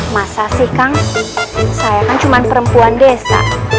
masa sih kang saya kan cuma perempuan desa